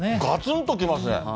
がつんときますね。